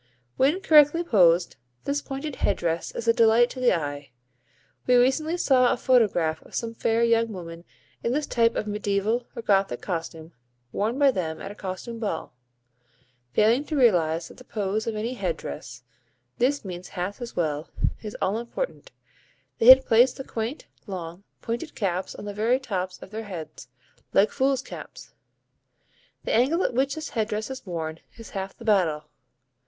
When correctly posed, this pointed head dress is a delight to the eye. We recently saw a photograph of some fair young women in this type of Mediæval or Gothic costume worn by them at a costume ball. Failing to realise that the pose of any head dress (this means hats as well) is all important, they had placed the quaint, long, pointed caps on the very tops of their heads, like fools' caps! The angle at which this head dress is worn is half the battle.